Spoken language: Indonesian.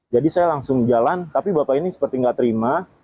jadi saya langsung jalan tapi bapak ini seperti nggak terima